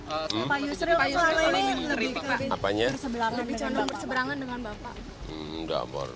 pak yusril selama ini kritik dan berseberangan dengan bapak